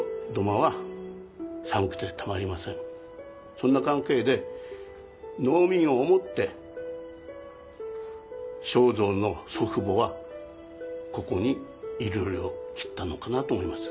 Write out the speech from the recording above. そんな関係で農民を思って正造の祖父母はここにいろりを切ったのかなと思います。